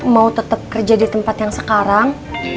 mau tetap kerja di tempat yang sekarang